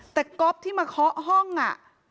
แต่ก๊อฟที่มาเคาะห้องอ่ะ